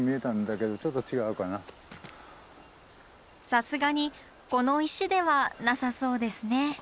さすがにこの石ではなさそうですね。